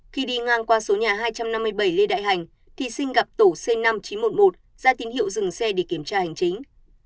khi đi ngang qua số nhà hai trăm năm mươi bảy lê đại hành thí sinh gặp tổ c năm nghìn chín trăm một mươi một ra tín hiệu dừng xe để kiểm tra hành chính